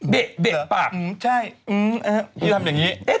เบะปากใช่พี่ทำอย่างนี้